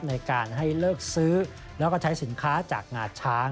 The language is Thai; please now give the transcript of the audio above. ในการให้เลิกซื้อแล้วก็ใช้สินค้าจากงาช้าง